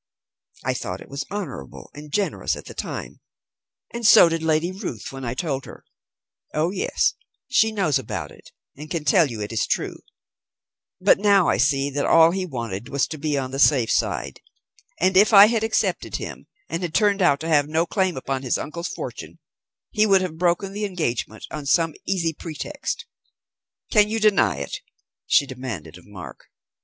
I thought it honourable and generous at the time, and so did Lady Ruth when I told her oh yes, she knows about it and can tell you it is true but now I see that all he wanted was to be on the safe side, and, if I had accepted him and had turned out to have no claim upon his uncle's fortune, he would have broken the engagement on some easy pretext. Can you deny it?" she demanded of Mark.